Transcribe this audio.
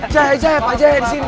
jaya jaya pak jaya disini